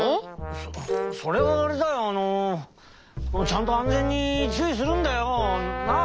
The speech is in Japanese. そそれはあれだよあのちゃんと安全にちゅういするんだよ。なあ？